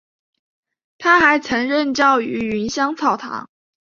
他还曾任教于芸香草堂。